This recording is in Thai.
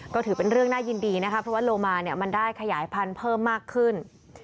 ก็ถือเป็นเรื่องน่ายินดีนะคะเพราะว่าโลมาเนี่ยมันได้ขยายพันธุ์เพิ่มมากขึ้น